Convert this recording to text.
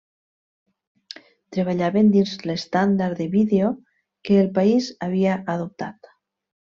Treballaven dins l'estàndard de vídeo que el país havia adoptat.